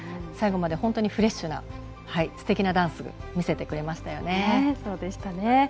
最後まで本当にフレッシュなすてきなダンスを見せてくれましたよね。